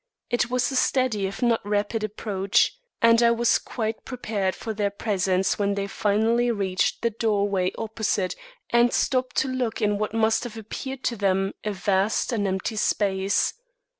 It was a steady if not rapid approach, and I was quite prepared for their presence when they finally reached the doorway opposite and stopped to look in at what must have appeared to them a vast and empty space.